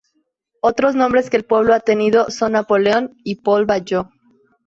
Otros nombres que el pueblo ha tenido son Napoleon y Polk Bayou.